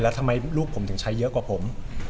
แล้วทำไมลูกผมถึงใช้เยอะกว่าผม